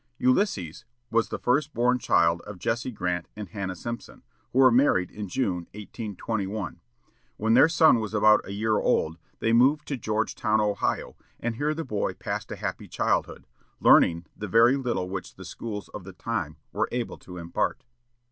Ulysses was the first born child of Jesse Grant and Hannah Simpson, who were married in June, 1821. When their son was about a year old, they moved to Georgetown, Ohio, and here the boy passed a happy childhood, learning the very little which the schools of the time were able to impart.